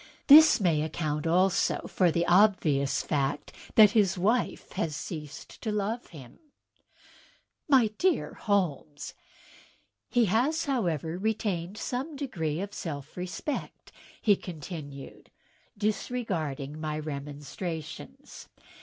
This may account also for the obvious fact that his wife has ceased to love him." "MydearHoknes!" "He has, however, retained some degree of self respect," he con tinued, disregarding my remonstrances.